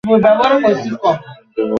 অন্য কিছু চিন্তা করো।